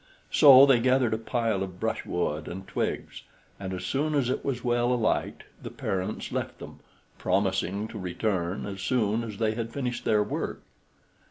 So they gathered a pile of brushwood and twigs, and as soon as it was well alight, the parents left them, promising to return as soon as they had finished their work.